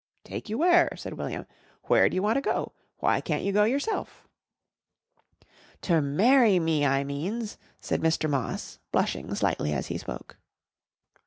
"Take you where?" said William. "Where d'you want to go? Why can't you go yourself?" "Ter marry me, I means," said Mr. Moss, blushing slightly as he spoke.